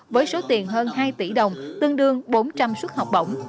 với số tiền hơn hai tỷ đồng tương đương bốn trăm linh suất học bổng